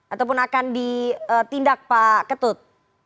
ataupun akan ditindak pak ketut